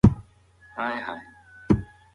خو شواهد بشپړ نه دي.